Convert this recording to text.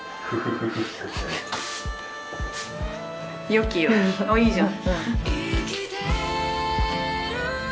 ・「よきよき」いいじゃん。